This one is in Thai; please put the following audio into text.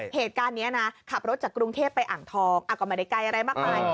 เหตุการณ์นี้นะขับรถจากกรุงเทพไปอ่างทองก็ไม่ได้ไกลอะไรมากมาย